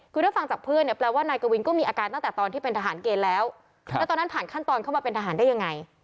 คือถ้าฟังจากเพื่อนเนี่ยแปลว่านายกวินก็มีอาการตั้งแต่ตอนที่เป็นทหารเกณฑ์แล้วแล้วตอนนั้นผ่านขั้นตอนเข้ามาเป็นทหารได้ยังไง